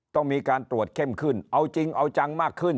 ต้องมีการตรวจเข้มขึ้นเอาจริงเอาจังมากขึ้น